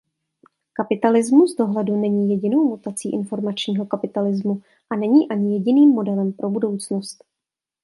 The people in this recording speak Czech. Kapitalismus dohledu není jedinou mutací informačního kapitalismu a není ani jediným modelem pro budoucnost.